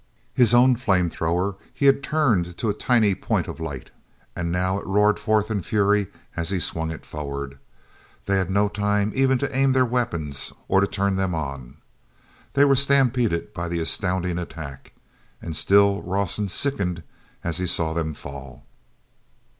His own flame thrower he had turned to a tiny point of light; now it roared forth in fury as he swung it forward. They had no time even to aim their weapons or to turn them on. They were stampeded by the astounding attack. And still Rawson sickened as he saw them fall.